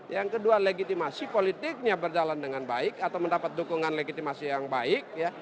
yang kedua legitimasi politiknya berjalan dengan baik atau mendapat dukungan legitimasi yang baik